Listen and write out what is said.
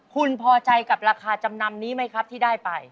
คุณพอใจกับราคาจำนำนี้ไหมครับที่ได้ไป